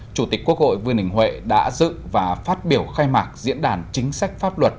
chủ tịch quốc hội vương đình huệ đã dự và phát biểu khai mạc diễn đàn chính sách pháp luật